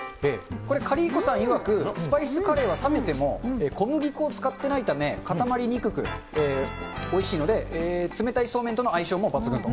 これ、カリー子さんいわく、スパイスカレーは冷めても小麦粉を使ってないため、固まりにくくおいしいので、冷たいそうめんとの相性も抜群と。